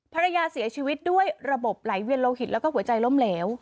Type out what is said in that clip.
ภรรยาเสียชีวิตด้วยระบบไหลเวียนโลหิตแล้วก็หัวใจล้มเหลว